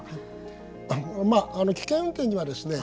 まあ危険運転にはですね